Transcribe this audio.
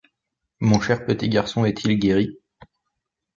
Mon cher petit garçon est-il guéri ?